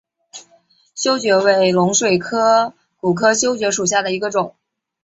修蕨为水龙骨科修蕨属下的一个种。